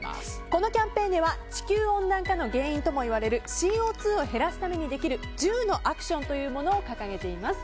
このキャンペーンでは地球温暖化の原因ともいわれるＣＯ２を減らすためにできる１０のアクションを掲げています。